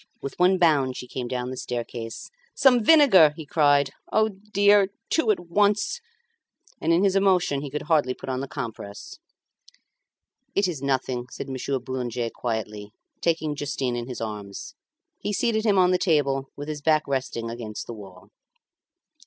With one bound she came down the staircase. "Some vinegar," he cried. "O dear! two at once!" And in his emotion he could hardly put on the compress. "It is nothing," said Monsieur Boulanger quietly, taking Justin in his arms. He seated him on the table with his back resting against the wall.